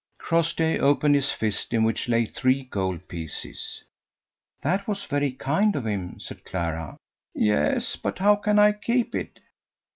Crossjay opened his fist in which lay three gold pieces. "That was very kind of him," said Clara. "Yes, but how can I keep it?"